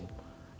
lalu di sini ada